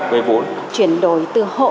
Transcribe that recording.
về vốn chuyển đổi từ hộ